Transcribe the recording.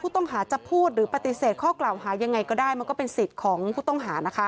ต้องหาจะพูดหรือปฏิเสธข้อกล่าวหายังไงก็ได้มันก็เป็นสิทธิ์ของผู้ต้องหานะคะ